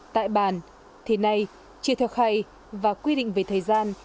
tại bàn thì nay chưa theo khay và quy định về thời gian